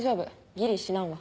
ギリ死なんわ。